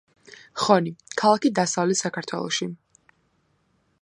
ხონი, ქალაქი დასავლეთ საქართველოში.